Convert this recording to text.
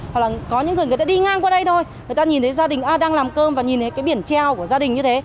hoặc là có những người người ta đi ngang qua đây thôi người ta nhìn thấy gia đình a đang làm cơm và nhìn thấy cái biển treo của gia đình như thế